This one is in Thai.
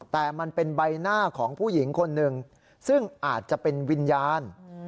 แต่มันเป็นใบหน้าของผู้หญิงคนหนึ่งซึ่งอาจจะเป็นวิญญาณ